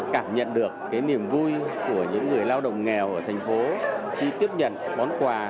cảm nhận được niềm vui của những người lao động nghèo ở thành phố khi tiếp nhận bón quà